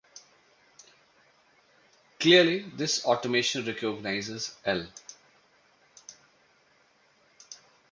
Clearly, this automaton recognizes "L".